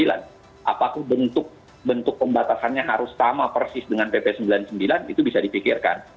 apakah bentuk bentuk pembatasannya harus sama persis dengan pp sembilan puluh sembilan itu bisa dipikirkan